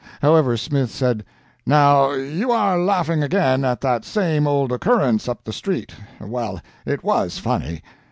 However, Smith said: "Now you are laughing again at that same old occurrence up the street—well, it was funny."